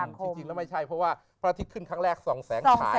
จริงแล้วไม่ใช่เพราะว่าพระอาทิตย์ขึ้นครั้งแรก๒แสงฉาย